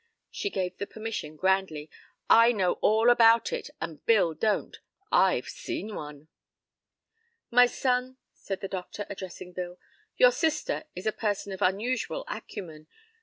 She gave the permission grandly. "I know all about it and Bill don't. I've seen one." "My son," said the doctor, addressing Bill, "your sister is a person of unusual acumen.